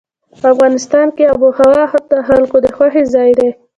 افغانستان کې آب وهوا د خلکو د خوښې ځای دی.